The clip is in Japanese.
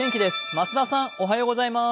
増田さんおはようございます。